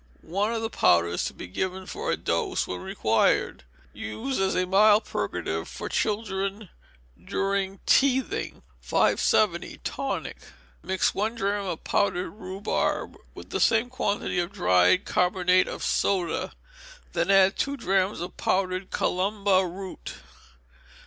One of the powders to be given for a dose when required. Use as a mild purgative for children during teething. 570. Tonic. Mix one drachm of powdered rhubarb with the same quantity of dried carbonate of soda, then add two drachms of powdered calumba root.